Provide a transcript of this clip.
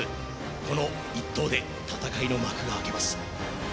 この１投で戦いの幕が開けます